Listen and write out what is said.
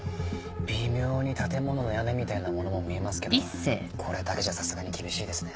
微妙に建物の屋根みたいなものも見えますけどこれだけじゃさすがに厳しいですね。